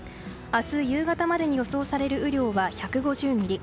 明日夕方までに予想される雨量は１５０ミリ。